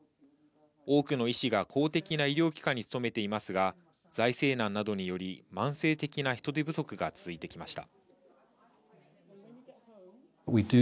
多くの医師が公的な医療機関に勤めていますが、財政難などにより慢性的な人手不足が続いてきました。